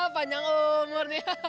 panjang umur nih